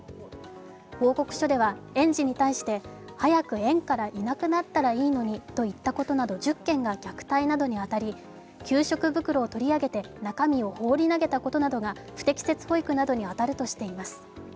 報告書では、園児に対して早く園からいなくなったらいいのにと言ったことなど１０件が虐待などに当たり、給食袋を取り上げて中身を放り投げたことなどが不適切保育に当たるとしています。